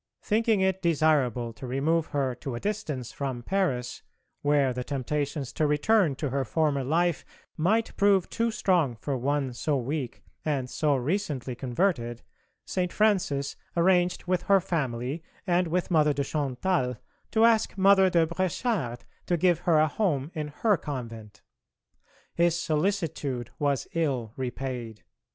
Thinking it desirable to remove her to a distance from Paris, where the temptations to return to her former life might prove too strong for one so weak and so recently converted, St. Francis arranged with her family and with Mother de Chantal to ask Mother de Bréchard to give her a home in her convent. His solicitude was ill repaid.